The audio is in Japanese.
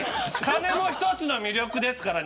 金も一つの魅力ですから。